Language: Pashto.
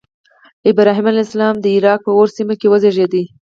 ابراهیم علیه السلام د عراق په أور سیمه کې وزیږېد.